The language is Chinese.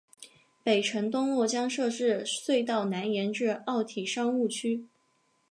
北辰东路将设置隧道南延至奥体商务区。